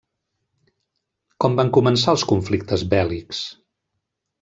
Com van començar els conflictes bèl·lics?